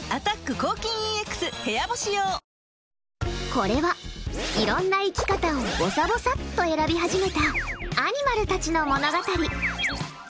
これは、いろんな生き方をぼさぼさっと選び始めたアニマルたちの物語。